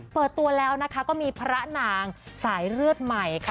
เปิดตัวแล้วนะคะก็มีพระนางสายเลือดใหม่ค่ะ